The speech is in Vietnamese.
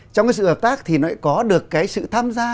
trong cái sự hợp tác thì nó có được cái sự tham gia